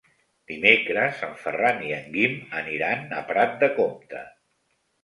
Dimecres en Ferran i en Guim aniran a Prat de Comte.